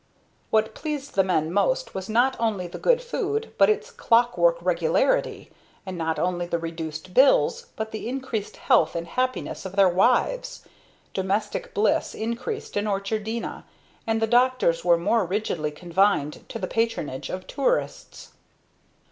What pleased the men most was not only the good food, but its clock work regularity; and not only the reduced bills but the increased health and happiness of their wives. Domestic bliss increased in Orchardina, and the doctors were more rigidly confined to the patronage of tourists.